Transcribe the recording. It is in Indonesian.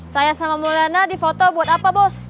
saya sama mulyana di foto buat apa bos